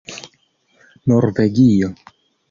norvegio